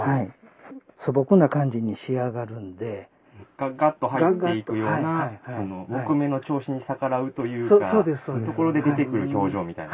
ガッガッと入っていくような木目の調子に逆らうというかというところで出てくる表情みたいな。